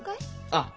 ああ。